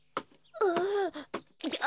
ああ。